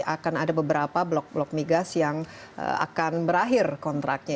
akan ada beberapa blok blok migas yang akan berakhir kontraknya